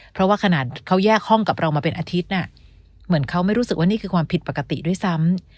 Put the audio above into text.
เพราะว่าขนาดเขาแยกห้องกับเรามาเป็นอาทิตย์เหมือนเขาไม่รู้สึกว่านี่คือความผิดปกติด้วยซ้ำ